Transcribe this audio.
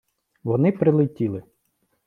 Вони прилетіли.